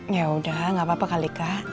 yaudah gak apa apa kali kak